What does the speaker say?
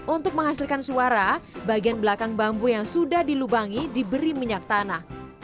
untuk menghasilkan suara bagian belakang bambu yang sudah dilubangi diberi minyak tanah